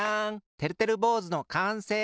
てるてるぼうずのかんせい！